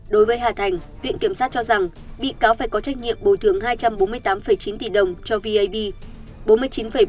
đối với hà thành viện kiểm sát cho rằng bị cáo phải có trách nhiệm bồi thường hai trăm bốn mươi tám chín tỷ đồng cho vib